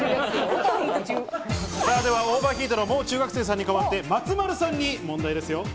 では、オーバーヒートのもう中学生さんに代わって松丸さんに問題です。